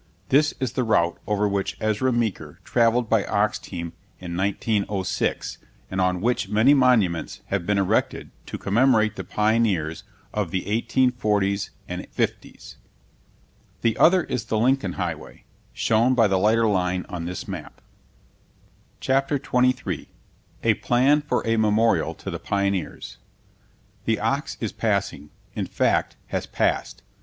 This is the route over which Ezra Meeker traveled by ox team in 1906 and on which many monuments have been erected to commemorate the pioneers of the 1840's and '50's. The other is the Lincoln Highway, shown by the lighter line on this map.] [Illustration: Out on the trail again.] CHAPTER TWENTY THREE A PLAN FOR A MEMORIAL TO THE PIONEERS THE ox is passing in fact, has passed.